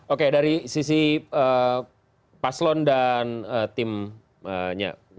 oke dari sisi paslon dan timnya